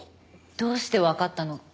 どうしてわかったの？